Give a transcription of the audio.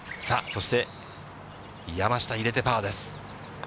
そして、山下入れてパーです。